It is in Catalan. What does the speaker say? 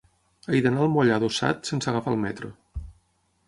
He d'anar al moll Adossat sense agafar el metro.